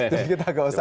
jadi kita gak usah